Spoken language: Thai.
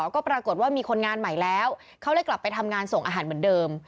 ก็ปรากฏว่ามีคนงานใหม่แล้วเขาเลยกลับไปทำงานส่งอาหารเหมือนเดิม